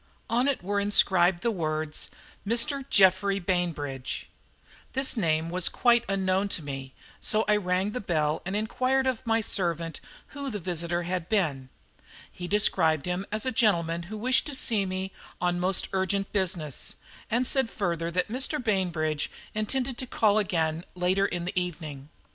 On it were inscribed the words, "Mr. Geoffrey Bainbridge." This name was quite unknown to me, so I rang the bell and inquired of my servant who the visitor had been. He described him as a gentleman who wished to see me on most urgent business, and said further that Mr. Bainbridge intended to call again later in the evening.